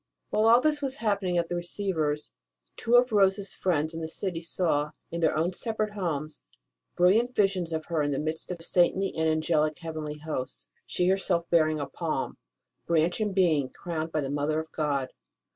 While all this was happening at the Receiver s, two of Rose s friends in the city saw, in their own separate homes, brilliant visions of her in the midst of saintly and angelic heavenly hosts, she herself bearing a palm branch and being crowned by the Mother of God.